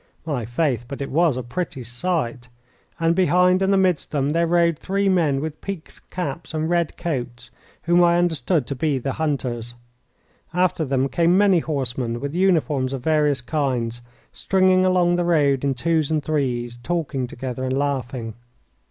My faith, but it was a pretty sight! And behind and amidst them there rode three men with peaked caps and red coats, whom I understood to be the hunters. After them came many horsemen with uniforms of various kinds, stringing along the roads in twos and threes, talking together and laughing.